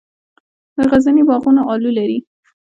د غزني باغونه الو لري.